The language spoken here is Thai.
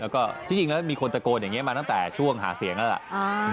แล้วก็ที่จริงแล้วมีคนตะโกนอย่างนี้มาตั้งแต่ช่วงหาเสียงแล้วล่ะ